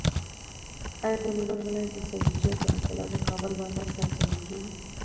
ایا د لوګر ولایت د سبزیجاتو حاصلات د کابل بازار ته رسول کېږي؟